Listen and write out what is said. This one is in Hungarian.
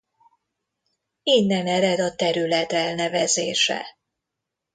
Innen ered a terület elnevezése.